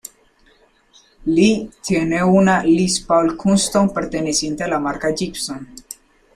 Lee tiene una Les Paul Custom perteneciente a la marca Gibson.